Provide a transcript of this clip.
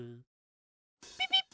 ピピッ！